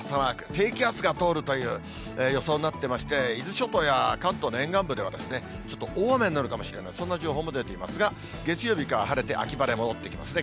低気圧が通るという予想になっていまして、伊豆諸島や関東の沿岸部では、ちょっと大雨になるかもしれない、そんな情報も出ていますが、月曜日からは晴れて秋晴れ戻ってきますね。